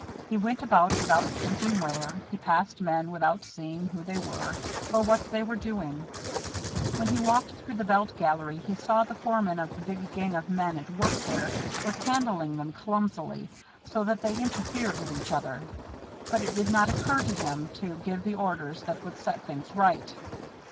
He went about without thinking where; he passed men without seeing who they were or what they were doing. When he walked through the belt gallery, he saw the foreman of the big gang of men at work there was handling them clumsily, so that they interfered with each other, but it did not occur to him to give the orders that would set things right.